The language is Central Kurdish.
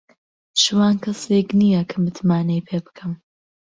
شوان کەسێک نییە کە متمانەی پێ بکەم.